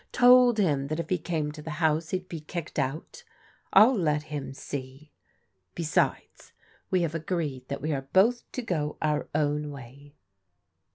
Told him that if he came to the house he'd be kicked out! Ill let him see. Besides, we have agreed that we are both to go our own way."